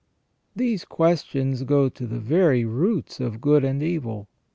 " These questions go to the very roots of good and evil.